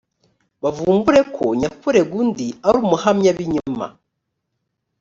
bavumbure ko nyakurega undi ari umuhamyabinyoma,